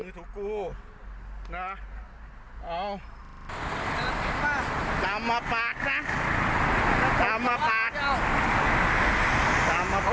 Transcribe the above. นะเอา